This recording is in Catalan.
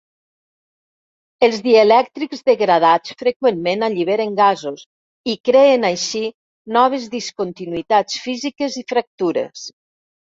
Els dielèctrics degradats freqüentment alliberen gasos i creen així noves discontinuïtats físiques i fractures.